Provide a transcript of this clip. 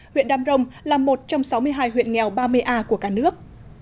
huyện đam rồng là một trong sáu mươi hai huyện nghèo ba mươi a của cả nước